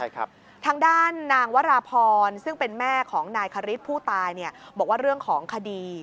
ทางด้านนางวราพรซึ่งเป็นแม่ของนายคริสผู้ตายเนี่ยบอกว่าเรื่องของคดี